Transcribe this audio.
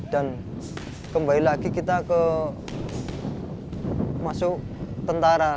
dan kembali lagi kita ke masuk tentara